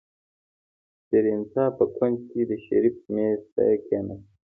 سېرېنا په کونج کې د شريف مېز ته کېناستله.